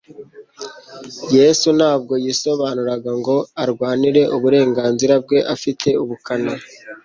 Yesu ntabwo yisobanuraga ngo arwanire uburenganzira bwe afite ubukana.